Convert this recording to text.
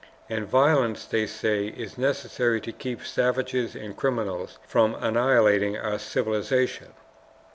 And violence, they say, is necessary to keep savages and criminals from annihilating our civilization.